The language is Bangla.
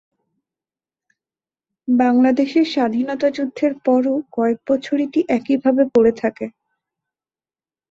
বাংলাদেশের স্বাধীনতা যুদ্ধের পরও কয়েক বছর এটি একইভাবে পড়ে থাকে।